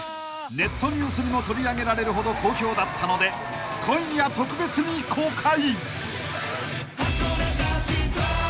［ネットニュースにも取り上げられるほど好評だったので今夜特別に公開］